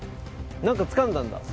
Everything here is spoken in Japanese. なんかつかんだんだ。